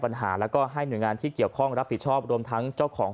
จะมีการแบ่งใจไปให้เอง